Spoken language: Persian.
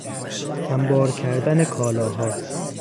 انبار کردن کالاها